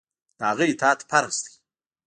د هغه اطاعت فرض دی.